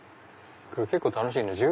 結構楽しいね！